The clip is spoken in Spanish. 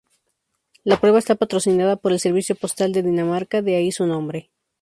La prueba está patrocinada por el servicio postal de Dinamarca de ahí su nombre.